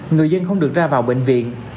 người dân không được ra vào bệnh viện